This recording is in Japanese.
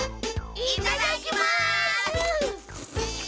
いただきます！